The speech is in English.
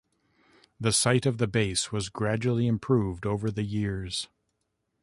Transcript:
The site of the base was gradually improved over the years.